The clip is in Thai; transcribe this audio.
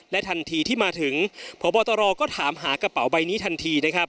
และทันทีที่มาถึงผอบตรก็ถามหากระเป๋าใบนี้ทันที